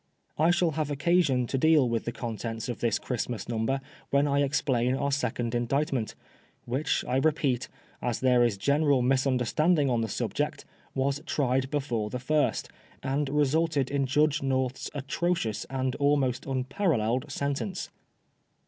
I shall have occasion to deal with the contents of this Christmas Number when I explain our second Indict ment ; which, I repeat, as there is general misunder standing on the subject, was tried before the first, and resulted in Judge North's atrocious and almost un paralleled sentence.